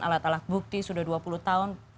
alat alat bukti sudah dua puluh tahun